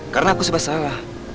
karena aku sebasalah